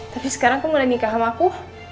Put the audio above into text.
tapi sekarang kamu udah nikah sama aku